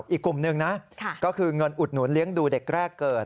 อีกกลุ่มหนึ่งนะก็คือเงินอุดหนุนเลี้ยงดูเด็กแรกเกิด